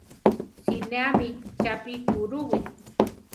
Sineámi chápi kurúwi.